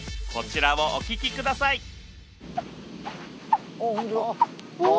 こちらをお聞きください